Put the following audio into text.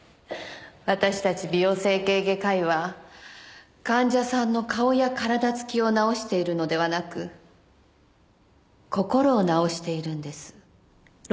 私たち美容整形外科医は患者さんの顔や体つきを治しているのではなく心を治しているんです。